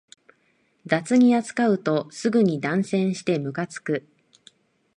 雑に扱うとすぐに断線してムカつく